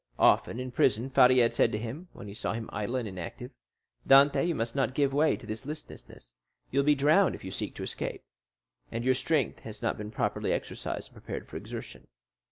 Often in prison Faria had said to him, when he saw him idle and inactive: "Dantès, you must not give way to this listlessness; you will be drowned if you seek to escape, and your strength has not been properly exercised and prepared for exertion."